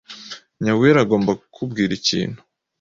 Nyawera agomba kukubwira ikintu.